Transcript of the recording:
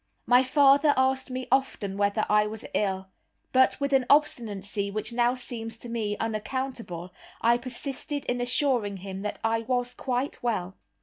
My father asked me often whether I was ill; but, with an obstinacy which now seems to me unaccountable, I persisted in assuring him that I was quite well.